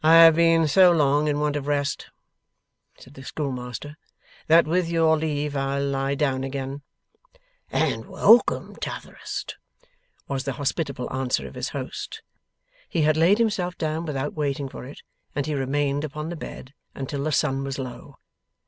'I have been so long in want of rest,' said the schoolmaster, 'that with your leave I'll lie down again.' 'And welcome, T'otherest!' was the hospitable answer of his host. He had laid himself down without waiting for it, and he remained upon the bed until the sun was low.